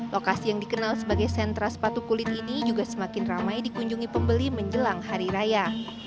lokasi yang dikenal sebagai sentra sepatu kulit ini juga semakin ramai dikunjungi pembeli menjelang hari raya